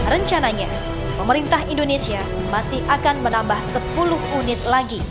rencananya pemerintah indonesia masih akan menambah sepuluh unit lagi